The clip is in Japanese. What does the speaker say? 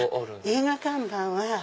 映画看板は。